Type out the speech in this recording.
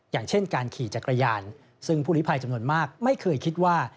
อย่างเช่นการขี่จักรยานซึ่งผู้ลิภัยจำนวนมากไม่เคยคิดว่า